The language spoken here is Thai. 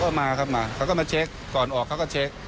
ก็มาครับมาเขาก็มาเช็คก่อนออกเขาก็เช็ค